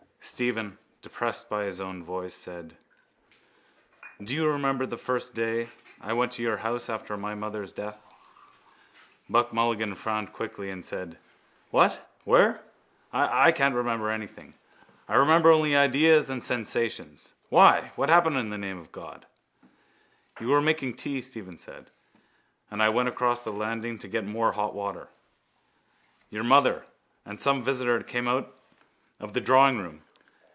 Stephen, depressed by his own voice, said: —Do you remember the first day I went to your house after my mother's death? Buck Mulligan frowned quickly and said: —What? Where? I can't remember anything. I remember only ideas and sensations. Why? What happened in the name of God? —You were making tea, Stephen said, and went across the landing to get more hot water. Your mother and some visitor came out of the drawingroom.